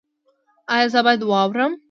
ایا زه باید واورم؟